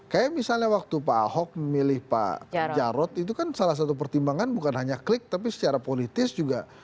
kayak misalnya waktu pak ahok memilih pak jarod itu kan salah satu pertimbangan bukan hanya klik tapi secara politis juga